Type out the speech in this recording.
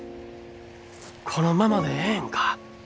このままでええんか。